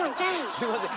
すいません。